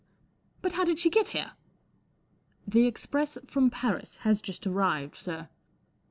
" But how did she get here ?" 44 The express from Paris has just arrived, sir."